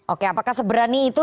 oke apakah seberani itu